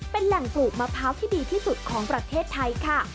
เป็นแหล่งปลูกมะพร้าวที่ดีที่สุดของประเทศไทยค่ะ